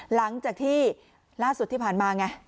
หลังจากที่ล่าสุดที่ผ่านมาไง